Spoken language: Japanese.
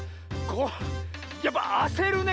これやっぱあせるね